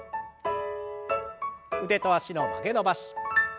腕と脚の曲げ伸ばし。